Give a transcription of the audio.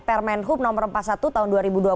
permen hub no empat puluh satu tahun dua ribu dua puluh